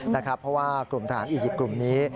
เพราะว่ากลุ่มทหารอียิปต์กลุ่มนี้